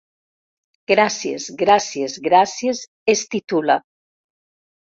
Gràcies, gràcies, gràcies, es titula.